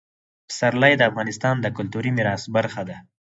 پسرلی د افغانستان د کلتوري میراث برخه ده.